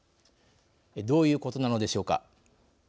どういうことなのでしょうか。